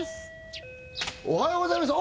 おはようございます